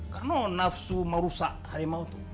karena nafsu merusak harimau tuh